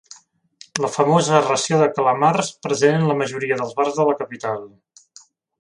La famosa ració de calamars, present en la majoria dels bars de la capital.